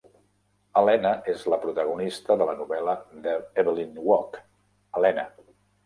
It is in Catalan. Helena és la protagonista de la novel·la de Evelyn Waugh "Helena".